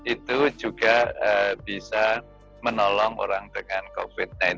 itu juga bisa menolong orang dengan covid sembilan belas